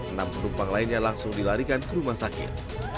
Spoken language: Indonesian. enam penumpang lainnya langsung dilarikan ke rumah sakit